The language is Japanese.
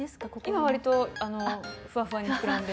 今わりとふわふわに膨らんで。